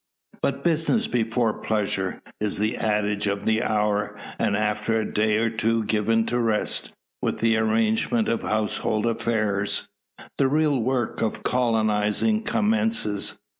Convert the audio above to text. But "business before pleasure" is the adage of the hour; and, after a day or two given to rest, with the arrangement of household affairs, the real work of colonising commences.